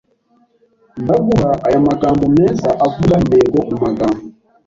Ndaguha aya magambo meza avuga intego mumagambo